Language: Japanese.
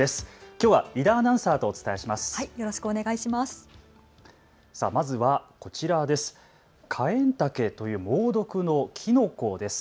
きょうは井田アナウンサーとお伝えします。